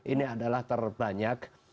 ini adalah terbanyak